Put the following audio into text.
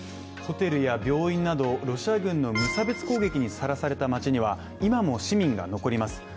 ホテルや病院などロシア軍の無差別攻撃にさらされた町には今も市民が残ります。